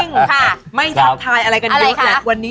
โหยิวมากประเด็นหัวหน้าแซ่บที่เกิดเดือนไหนในช่วงนี้มีเกณฑ์โดนหลอกแอ้มฟรี